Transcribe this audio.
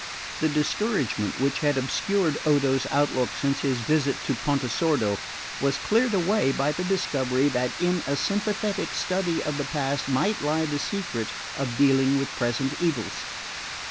The discouragement which had obscured Odo's outlook since his visit to Pontesordo was cleared away by the discovery that in a sympathetic study of the past might lie the secret of dealing with present evils.